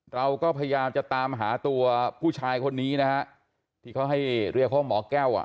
เราก็พยายามจะตามหาตัวผู้ชายคนนี้นะฮะที่เขาให้เรียกว่าหมอแก้วอ่ะ